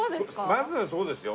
まずはそうですよ。